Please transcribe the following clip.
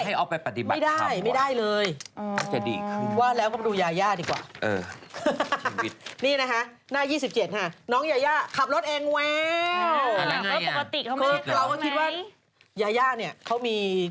อ๋อแล้วปกติเขาแม่กล้องไหมคือเราก็คิดว่ายาย่าเนี่ยเขามี